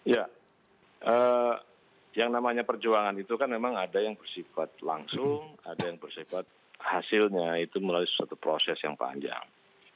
ya yang namanya perjuangan itu kan memang ada yang bersifat langsung ada yang bersifat hasilnya itu melalui suatu proses yang panjang